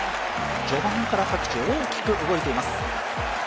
序盤から各地、大きく動いています。